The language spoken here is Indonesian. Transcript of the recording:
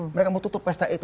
mereka mau tutup pesta itu